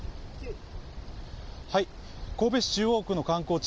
神戸市中央区の観光地